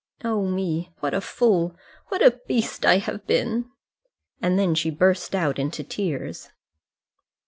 Oh, me! what a fool, what a beast I have been!" And then she burst out into tears.